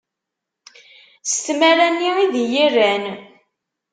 S tmara-nni i d iyi-rran.